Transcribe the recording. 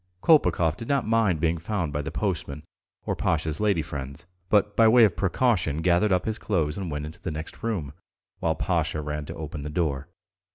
Kolpakov did not mind being found by the postman or Pasha's lady friends, but by way of precaution gathered up his clothes and went into the next room, while Pasha ran to open the door.